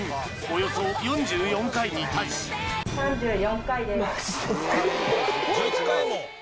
およそ４４回に対し３４回です